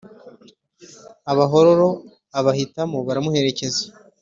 Abahororo abahitamo baramuherekeza